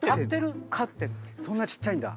そんなちっちゃいんだ。